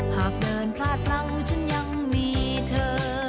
หากเดินพลาดหลังฉันยังมีเธอ